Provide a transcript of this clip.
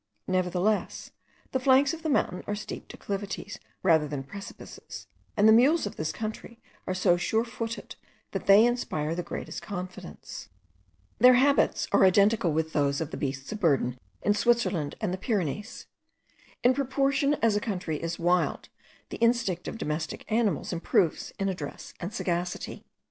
Nevertheless, the flanks of the mountain are steep declivities rather than precipices; and the mules of this country are so sure footed that they inspire the greatest confidence. Their habits are identical with those of the beasts of burden in Switzerland and the Pyrenees. In proportion as a country is wild, the instinct of domestic animals improves in address and sagacity.